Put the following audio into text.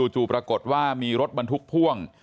จู่ปรากฏว่ามีรถบรรทุกพ่วง